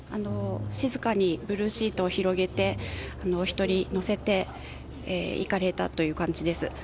静かにブルーシートを広げて１人乗せて行かれたという感じです。